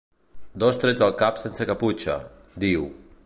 “Dos trets al cap sense caputxa”, diu.